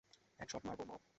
এক শট মারো, বব।